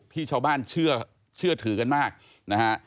ที่ชาวบ้านเชื่อถือกันมากนะฮะ